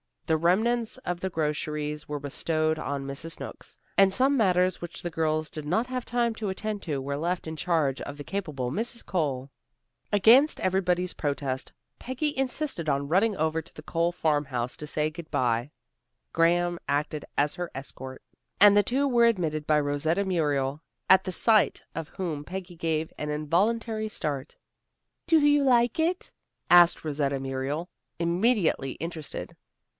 The remnants of the groceries were bestowed on Mrs. Snooks, and some matters which the girls did not have time to attend to were left in charge of the capable Mrs. Cole. Against everybody's protest, Peggy insisted on running over to the Cole farmhouse to say good by. Graham acted as her escort, and the two were admitted by Rosetta Muriel, at the sight of whom Peggy gave an involuntary start. "Do you like it?" asked Rosetta Muriel, immediately interested.